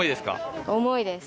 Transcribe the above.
重いです。